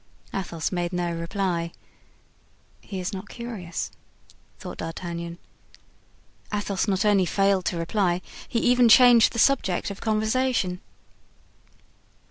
Athos made no reply. "He is not curious," thought D'Artagnan. Athos not only failed to reply, he even changed the subject of conversation.